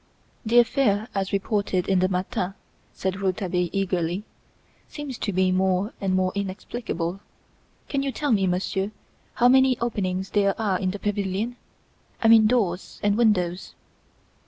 "The affair as reported in the 'Matin,'" said Rouletabille eagerly, "seems to me more and more inexplicable. Can you tell me, Monsieur, how many openings there are in the pavilion? I mean doors and windows."